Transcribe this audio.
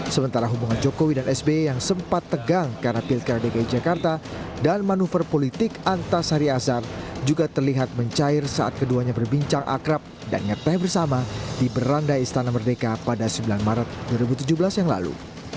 sementara hubungan jokowi dan sby yang sempat tegang karena pilkada dki jakarta dan manuver politik antasari azhar juga terlihat mencair saat keduanya berbincang akrab dan ngeteh bersama di berandai istana merdeka pada sembilan maret dua ribu tujuh belas yang lalu